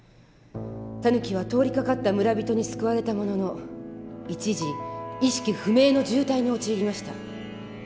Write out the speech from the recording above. タヌキは通りかかった村人に救われたものの一時意識不明の重体に陥りました。